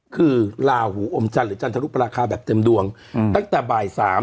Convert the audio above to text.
คือลาหูอมจันทร์หรือจันทรุปราคาแบบเต็มดวงตั้งแต่บ่าย๓